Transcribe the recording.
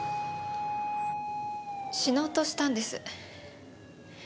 死のうとしたんです。